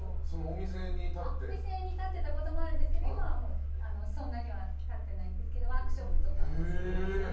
お店に立っていたこともあるんですけど今はもうそんなには立ってないんですけどワークショップとか。